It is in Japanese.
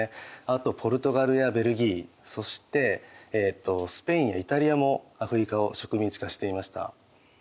あとポルトガルやベルギーそしてスペインやイタリアもアフリカを植民地化していました。